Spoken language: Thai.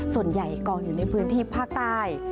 ส่วนใหญ่กองอยู่ในพื้นที่ภาคใต้